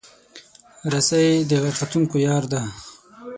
رسۍ د غر ختونکو یار ده.